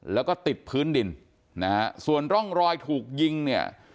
แล้วก็ติดพื้นดินนะฮะส่วนร่องรอยถูกยิงเนี่ย